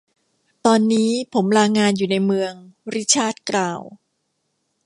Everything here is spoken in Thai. ตอนนี้ผมลางานอยู่ในเมือง ริชาร์ดกล่าว